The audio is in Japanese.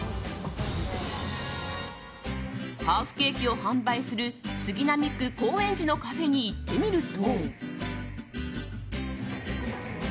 ハーフケーキを販売する杉並区高円寺のカフェに行ってみると。